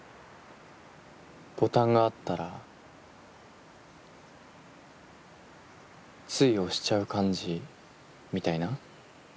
ボタンがあったらつい押しちゃう感じみたいな？